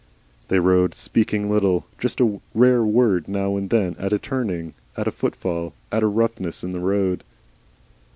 They rode, speaking little, just a rare word now and then, at a turning, at a footfall, at a roughness in the road.